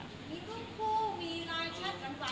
มีคุณผู้มีไลน์ชัดกันกว่า